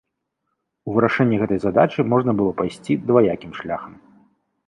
У вырашэнні гэтай задачы можна было пайсці дваякім шляхам.